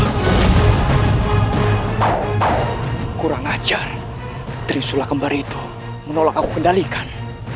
hai kurang ajar trisula kembar itu menolak aku kendalikan